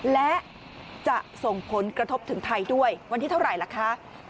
และจะส่งผลกระทบถึงไทยด้วยวันที่เท่าไหร่ล่ะคะ